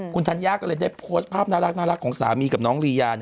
คุณธัญญาก็เลยได้โพสต์ภาพน่ารักของสามีกับน้องลียา